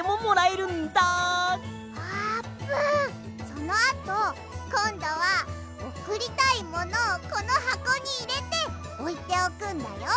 そのあとこんどはおくりたいものをこのはこにいれておいておくんだよ。